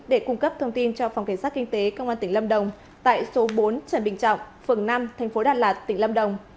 để cung cấp thông tin cho phòng kiểm soát kinh tế cơ quan tỉnh lâm đồng tại số bốn trần bình trọng phường năm tp đà lạt tỉnh lâm đồng